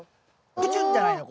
プチュッじゃないの。